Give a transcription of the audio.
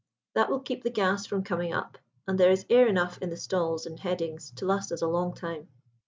That will keep the gas from coming up, and there is air enough in the stalls and headings to last us a long time."